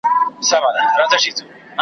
هره ورځ به د رمی په ځان بلا وي .